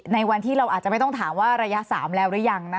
ในวันที่เราอาจจะไม่ต้องถามว่าระยะ๓แล้วหรือยัง